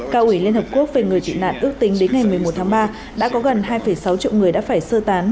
cao ủy liên hợp quốc về người trị nạn ước tính đến ngày một mươi một tháng ba đã có gần hai sáu triệu người đã phải sơ tán